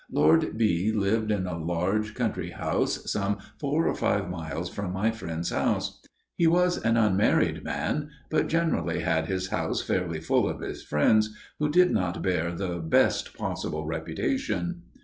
"Lord B. lived in a large country house some four or five miles from my friend's house. He was an unmarried man, but generally had his house fairly full of his friends, who did not bear the best possible reputation.